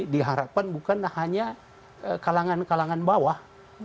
diharapkan bukan hanya kalangan kalangan bawah